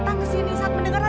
dan aku harap